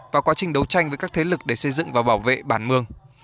và quá trình đấu tranh với các thế lực để xây dựng và bảo vệ bản mường